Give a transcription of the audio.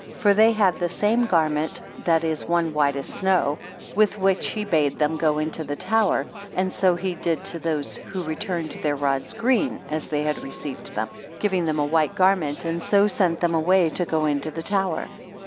For they had the same garment, that is, one white as snow; with which he bade them go into the tower And so he did to those who returned their rods green as they had received them; giving them a white garment, and so sent them away to go into the tower.